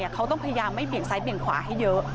เขาต้องพยายามไม่เบี่ยงซ้ายเบี่ยงขวาให้เยอะ